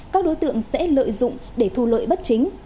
các đối tượng sẽ lợi dụng để thu lợi bất chính